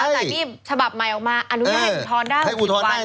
หลังจากที่ฉบับใหม่ออกมาอนุญาตอุทธรณ์ได้๖๐วัน